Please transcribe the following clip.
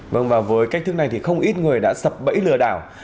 vâng và với cách thức này thì không ít người đã sập bẫy lừa đảo